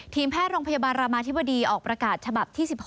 ทีมแพทย์โรงพยาบาลรามาธิบดีออกประกาศฉบับที่๑๖